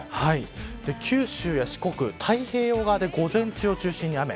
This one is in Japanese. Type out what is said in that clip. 九州や四国、太平洋側で午前中を中心に雨。